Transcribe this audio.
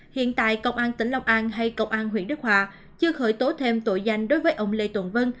hiện tại công an tỉnh long an hay công an huyện đức hòa chưa khởi tố thêm tội danh đối với ông lê tùng vân